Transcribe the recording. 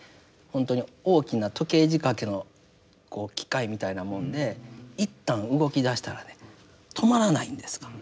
ほんとに大きな時計仕掛けの機械みたいなもんで一旦動きだしたらね止まらないんですから。